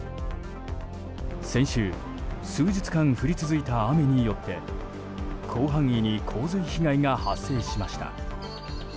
先週、数日間降り続いた雨によって広範囲に洪水被害が発生しました。